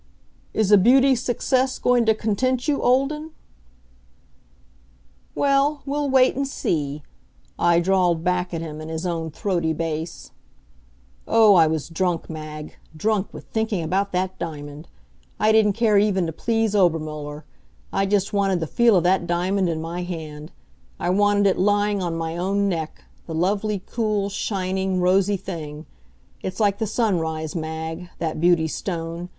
"Is a beauty success going to content you, Olden?" "Well, we'll wait and see," I drawled back at him in his own throaty bass. Oh, I was drunk, Mag, drunk with thinking about that diamond! I didn't care even to please Obermuller. I just wanted the feel of that diamond in my hand. I wanted it lying on my own neck the lovely, cool, shining, rosy thing. It's like the sunrise, Mag, that beauty stone.